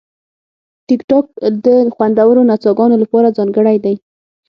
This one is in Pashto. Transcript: ټیکټاک د خوندورو نڅاګانو لپاره ځانګړی دی.